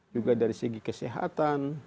juga dari segi kesehatan